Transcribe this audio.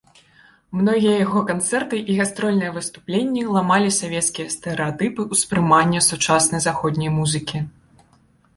Многія яго канцэрты і гастрольныя выступленні ламалі савецкія стэрэатыпы ўспрымання сучаснай заходняй музыкі.